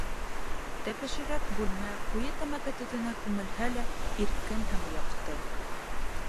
Тәпәшерәк бүлмә, ҡуйы тәмәке төтөнөнә күмелһә лә, иркен һәм яҡты.